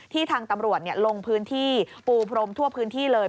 ทางตำรวจลงพื้นที่ปูพรมทั่วพื้นที่เลย